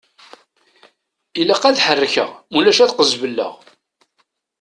Ilaq ad ḥerrekeɣ mulac ad qezbeleɣ!